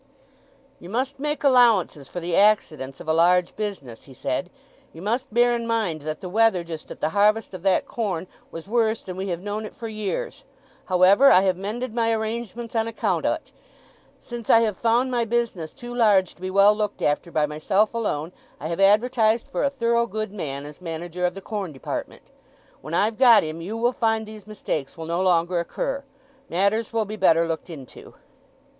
"You must make allowances for the accidents of a large business," he said. "You must bear in mind that the weather just at the harvest of that corn was worse than we have known it for years. However, I have mended my arrangements on account o't. Since I have found my business too large to be well looked after by myself alone, I have advertised for a thorough good man as manager of the corn department. When I've got him you will find these mistakes will no longer occur—matters will be better looked into."